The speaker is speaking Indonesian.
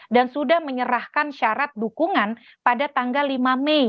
dan sudah menyerahkan syarat dukungan pada tanggal lima mei